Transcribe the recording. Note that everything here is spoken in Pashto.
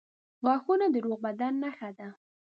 • غاښونه د روغ بدن نښه ده.